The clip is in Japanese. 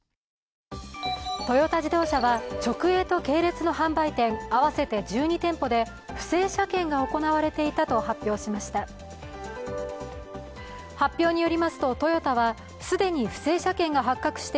トヨタ自動車は直営と系列の販売店合わせて１２店舗で不正車検が行われていたと発表しました。